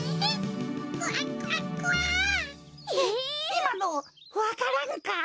いいまのわか蘭か？